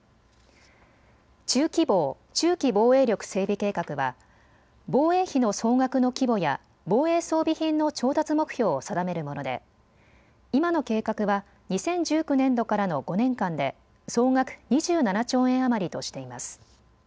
中期防・中期防衛力整備計画は防衛費の総額の規模や防衛装備品の調達目標を定めるもので、今の計画は２０１９年度からの５年間で総額２７兆円余りとしています。